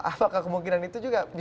apakah kemungkinan itu juga bisa